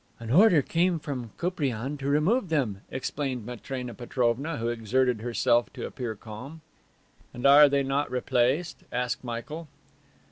"An order came from Koupriane to remove them," explained Matrena Petrovna, who exerted herself to appear calm. "And are they not replaced?" asked Michael.